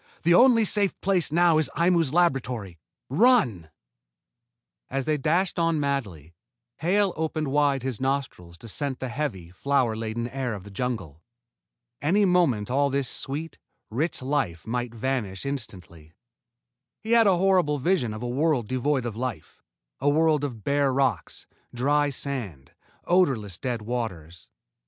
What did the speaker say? The only safe place now is Aimu's laboratory. Run!" As they dashed on madly, Hale opened wide his nostrils to scent the heavy, flower laden air of the jungle. Any moment all this sweet, rich life might vanish instantly. He had a horrible vision of a world devoid of life, a world of bare rocks, dry sand, odorless, dead waters.